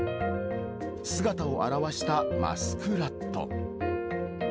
姿を現したマスクラット。